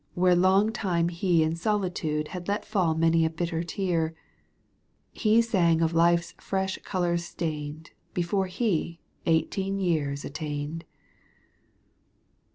Where long time he in solitude Had let fall many a bitter tear : He sang of life's fresh colours stained Before he eighteen years attained.